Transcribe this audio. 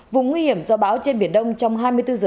vùng nguy hiểm do bão trên biển đông trong hai mươi bốn h